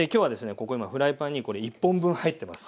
ここ今フライパンにこれ１本分入ってます。